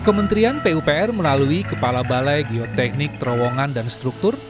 kementerian pupr melalui kepala balai geoteknik terowongan dan struktur